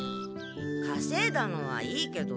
かせいだのはいいけどさ。